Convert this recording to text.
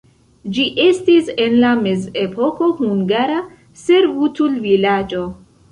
Ĝi estis en la mezepoko hungara servutulvilaĝo.